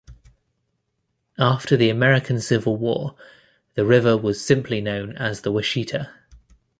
After the American Civil War, the river was simply known as the Washita.